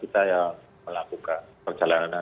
kita yang melakukan perjalanan